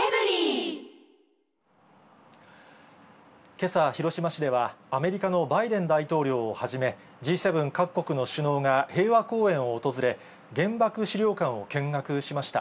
けさ、広島市では、アメリカのバイデン大統領をはじめ、Ｇ７各国の首脳が平和公園を訪れ、原爆資料館を見学しました。